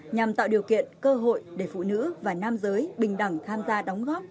nhằm tạo điều kiện cơ hội để phụ nữ và nam giới bình đẳng tham gia đóng góp